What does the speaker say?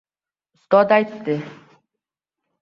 Ustod aytdi: